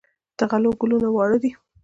د غلو ګلونه واړه وي.